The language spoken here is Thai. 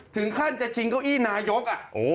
ถึงขั้นจะชิงเก้าอี้นายก